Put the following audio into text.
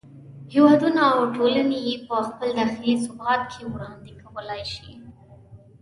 هېوادونه او ټولنې یې په خپل داخلي ثبات کې وړاندې کولای شي.